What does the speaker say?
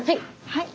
はい。